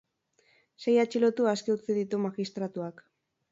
Sei atxilotu aske utzi ditu magistratuak.